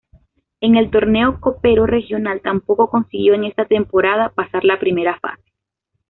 En el tornero copero regional tampoco consiguió, en esta temporada, pasar la primera fase.